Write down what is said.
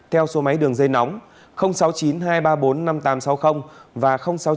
theo số máy đường dây nóng sáu mươi chín hai trăm ba mươi bốn năm nghìn tám trăm sáu mươi và sáu mươi chín hai trăm ba mươi